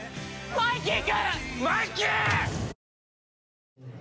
「マイキー！」